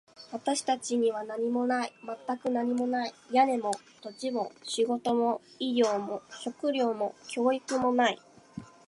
私たちには何もない。全く何もない。屋根も、土地も、仕事も、医療も、食料も、教育もない。